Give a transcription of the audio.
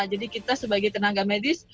jadi kita sebagai tenaga medis